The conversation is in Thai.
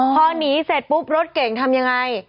พอหนีเสร็จปุ๊บรถเก่งทำยังไง